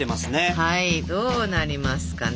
はいどうなりますかね。